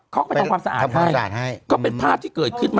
เขาก็ไปทำความสะอาดให้